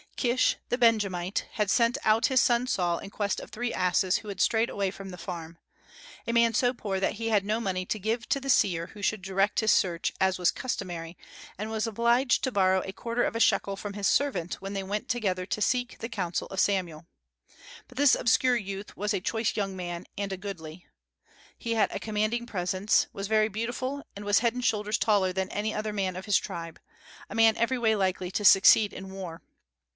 Kish, the Benjamite, had sent out his son Saul in quest of three asses which had strayed away from the farm, a man so poor that he had no money to give to the seer who should direct his search, as was customary, and was obliged to borrow a quarter of a shekel from his servant when they went together to seek the counsel of Samuel. But this obscure youth was "a choice young man, and a goodly." He had a commanding presence, was very beautiful, and was head and shoulders taller than any other man of his tribe, a man every way likely to succeed in war.